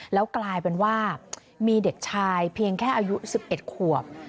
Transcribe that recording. แล้วกลายเป็นว่ามีเด็กชายเพียงแค่อายุ๑๑ขวบ